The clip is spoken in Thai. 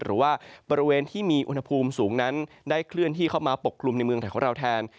หรือว่าบริเวณที่มีอุณหภูมิสูงนั้นได้เคลื่อนที่เข้ามาปกกลุ่มในเมืองไทยของเราแทน